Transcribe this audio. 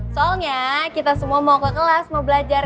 soalnya kita semua mau ke kelas mau belajar